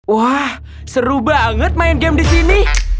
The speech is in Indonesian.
wah seru banget main game di sini